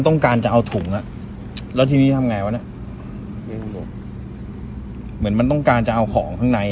ต้องการจะเอาถุงอ่ะแล้วทีนี้ทำไงวะเนี่ยเหมือนมันต้องการจะเอาของข้างใน